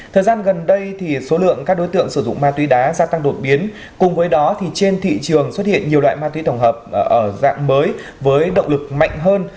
thời gian gần đây thì số lượng các đối tượng sử dụng ma túy đá gia tăng đột biến cùng với đó trên thị trường xuất hiện nhiều loại ma túy tổng hợp dạng mới với động lực mạnh hơn